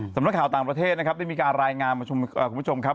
สำนักข่าวต่างประเทศนะครับได้มีการรายงานประชุมคุณผู้ชมครับ